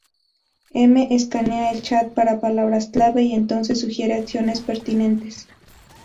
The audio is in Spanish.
M "escanea" el chat para palabras clave y entonces sugiere acciones pertinentes.